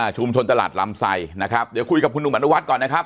ตลาดลำไสนะครับเดี๋ยวคุยกับคุณหนุ่มอนุวัฒน์ก่อนนะครับ